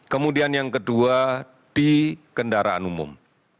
kemudian yang kedua di kendaraan umum